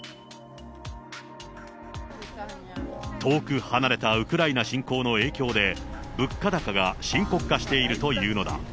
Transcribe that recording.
遠く離れたウクライナ侵攻の影響で、物価高が深刻化しているというのだ。